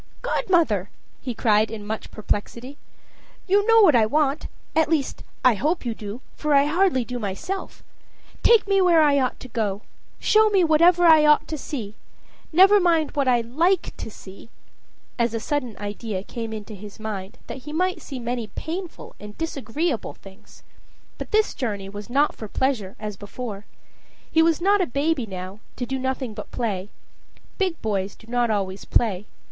"Godmother," he cried, in much perplexity, "you know what I want, at least, I hope you do, for I hardly do myself take me where I ought to go; show me whatever I ought to see never mind what I like to see," as a sudden idea came into his mind that he might see many painful and disagreeable things. But this journey was not for pleasure as before. He was not a baby now, to do nothing but play big boys do not always play.